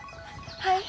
はい。